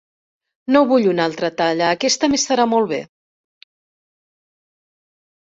No vull una altra talla, aquest m'estarà molt bé.